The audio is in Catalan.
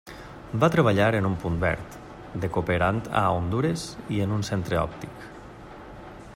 Va treballar en un punt verd, de cooperant a Hondures i en un centre òptic.